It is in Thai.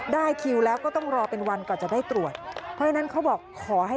ได้คิวแล้วก็ต้องรอเป็นวันก่อนจะได้ตรวจ